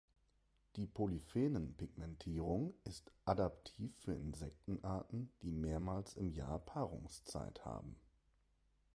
Die Polyphenenpigmentierung ist adaptiv für Insektenarten, die mehrmals im Jahr Paarungszeit haben.